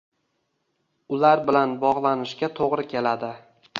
ular bilan bog‘lanishga to‘g‘ri keladi.